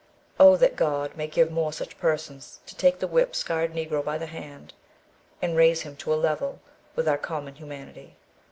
Oh, that God may give more such persons to take the whip scarred Negro by the hand, and raise him to a level with our common humanity!